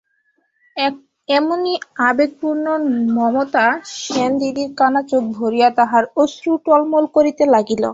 এমনি আবেগপূর্ণ মমতা সেনদিদির কানা চোখ ভরিয়া তাহার অশ্রু টলমল করিতে লাগিল!